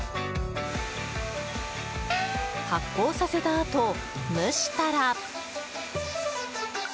発酵させたあと、蒸したら。